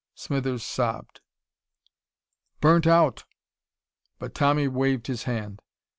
Smithers sobbed. "Burnt out!" But Tommy waved his hand.